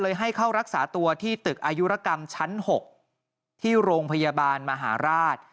ให้เข้ารักษาตัวที่ตึกอายุรกรรมชั้น๖ที่โรงพยาบาลมหาราช